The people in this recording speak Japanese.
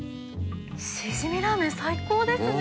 シジミラーメン最高ですね。